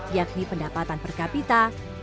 yakni pendapatan per kapita